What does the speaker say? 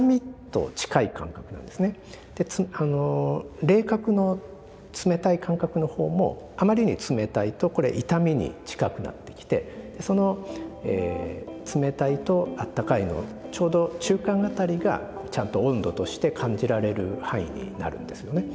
で冷覚の冷たい感覚のほうもあまりに冷たいとこれ痛みに近くなってきてその冷たいと温かいのちょうど中間辺りがちゃんと温度として感じられる範囲になるんですよね。